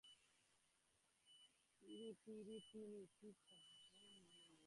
আগেই বলেছি শারীরিক মানসিক সব দিক দিয়েই ও বেড়ে উঠছিল।